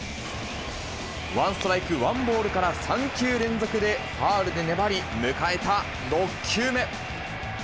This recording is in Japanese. ワンストライクワンボールから３球連続でファウルで粘り、迎えた６球目。